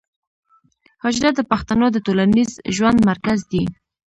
حجره د پښتنو د ټولنیز ژوند مرکز دی.